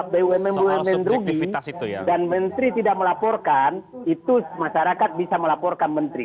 dewa dowa redistriptor ya dan menteri tidak melaporkan itu masyarakat bisa melaporkan menteri